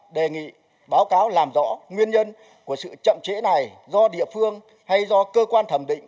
đề nghị báo cáo làm rõ nguyên nhân của sự chậm chế này do địa phương hay do cơ quan thẩm định